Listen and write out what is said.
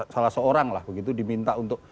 salah seorang lah begitu diminta untuk